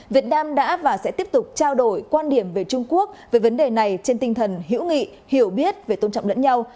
việt nam đã và sẽ tiếp tục trao đổi quan điểm về trung quốc về vấn đề này trên tinh thần hiểu nghị hiểu biết về tôn trọng lẫn nhau